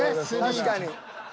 確かに。